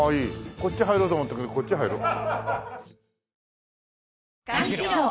こっち入ろうと思ったけどこっち入ろう。